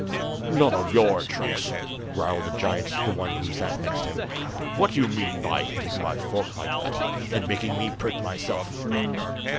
"None of your tricks," growled the giant to the one who sat next him. "What do you mean by hitting my fork like that, and making me prick myself?"